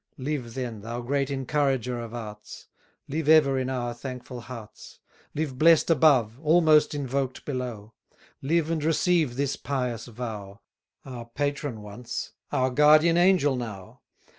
Live, then, thou great encourager of arts! Live ever in our thankful hearts; Live blest above, almost invoked below; Live and receive this pious vow, Our patron once, our guardian angel now!